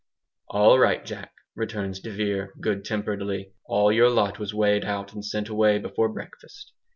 "All right, Jack," returns de Vere, good temperedly, "all your lot was weighed out and sent away before breakfast.